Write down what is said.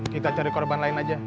kita cari korban lain aja